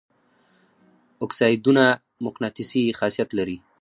اکسایدونه مقناطیسي خاصیت لري.